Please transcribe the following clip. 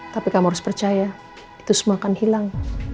tapi kamu harus percaya itu semua akan hilang